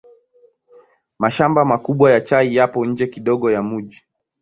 Mashamba makubwa ya chai yapo nje kidogo ya mji.